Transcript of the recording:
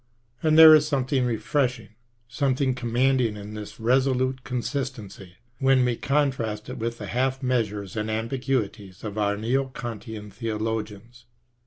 And there is something refreshing, some thing commanding in thi» resolute consistency, when we contrast it with the half measures and the ambiguities of our " Neo Kantian '* theologians.